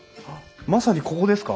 まさにここですか？